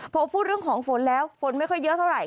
พอพูดเรื่องของฝนแล้วฝนไม่ค่อยเยอะเท่าไห